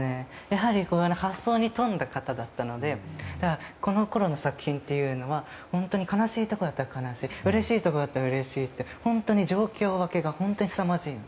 やはり発想にとんだ方だったのでこのころの作品というのは本当に悲しいことがあったら悲しいうれしいことがあったらうれしい状況分けが本当にすさまじい。